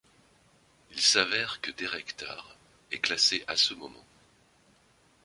Il s'avère que Derek Tarr est classé à ce moment.